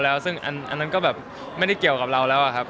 อันนั้นก็แบบไม่ได้เกี่ยวกับเราแล้วอ่ะครับ